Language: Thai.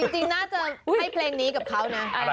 จริงน่าจะให้เพลงนี้กับเขานะ